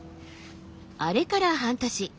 あれから半年。